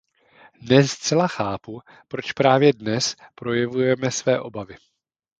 Ne zcela chápu, proč právě dnes projevujeme své obavy.